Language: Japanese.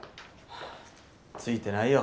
ついてないよ。